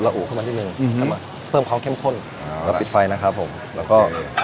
ระอุขึ้นมานิดหนึ่งเพิ่มความเข้มข้นแล้วปิดไฟนะครับผมแล้วก็